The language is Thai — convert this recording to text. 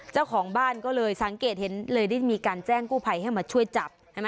เจ้าของบ้านก็เลยสังเกตเห็นเลยได้มีการแจ้งกู้ภัยให้มาช่วยจับใช่ไหม